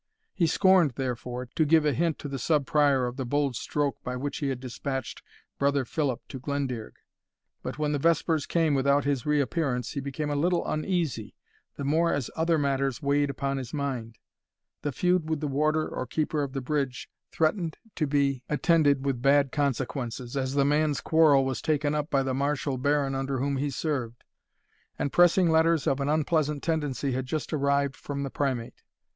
He scorned, therefore, to give a hint to the Sub Prior of the bold stroke by which he had dispatched Brother Philip to Glendearg; but when the vespers came without his reappearance he became a little uneasy, the more as other matters weighed upon his mind. The feud with the warder or keeper of the bridge threatened to be attended with bad consequences, as the man's quarrel was taken up by the martial baron under whom he served; and pressing letters of an unpleasant tendency had just arrived from the Primate.